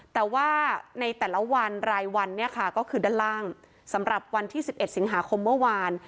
แต่ว่าในแต่ละวันรายวันเนี่ยค่ะก็คือด้านล่างสำหรับวันที่๑๑สิงหาคมเมื่อวาน